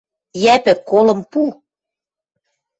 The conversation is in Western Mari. Йӓпӹк, колым пу!